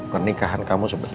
peningkahan kamu sebenarnya